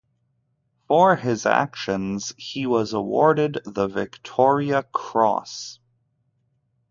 For his actions, he was awarded the Victoria Cross.